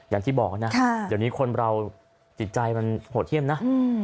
อย่างที่บอกนะเดี๋ยวนี้คนเราจิตใจมันโหดเยี่ยมนะ